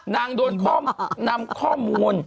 นางน้ำข้อมูล